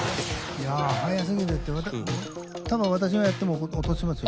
いや早すぎるっていうかたぶん私がやっても落としますよ。